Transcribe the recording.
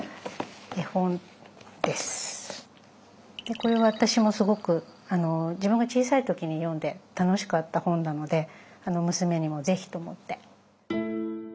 これは私もすごく自分が小さい時に読んで楽しかった本なので娘にも是非と思って。